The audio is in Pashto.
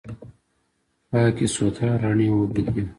پاکې، سوتره، رڼې اوبه دي.